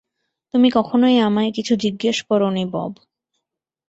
তুমি কখনোই আমায় কিছু জিজ্ঞেস করোনি, বব।